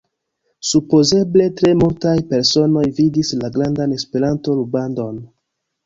Supozeble tre multaj personoj vidis la grandan Esperanto-rubandon.